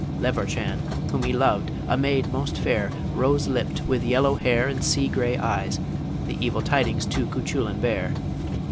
Levarchan, whom he loved, a maid most fair, Rose lipp'd, with yellow hair and sea grey eyes, The evil tidings to Cuchullin bare.